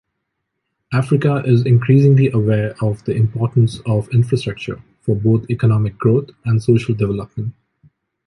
Africa is increasingly aware of the importance of infrastructure for both economic growth and social development.